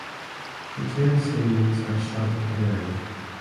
The ten stamens are slightly hairy.